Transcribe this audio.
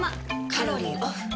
カロリーオフ。